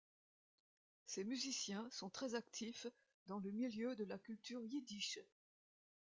Ces musiciens sont très actifs dans le milieu de la culture yiddish.